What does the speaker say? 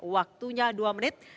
waktunya dua menit